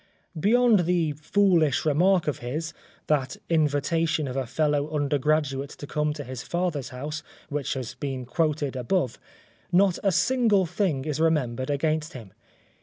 Beyond the foolish remark of his, that invitation of a fellow undergraduate to come to his father's house, which has been quoted above, not a single thing is remembered against him.